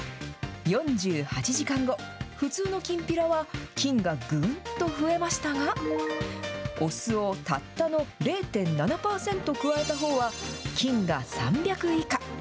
４８時間後、普通のきんぴらは、菌がぐんと増えましたが、お酢をたったの０．７％くわえたほうは、菌が３００以下。